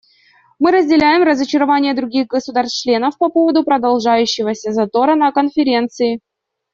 Мы разделяем разочарование других государств-членов по поводу продолжающегося затора на Конференции.